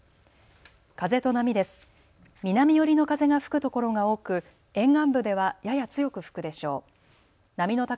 風と波です。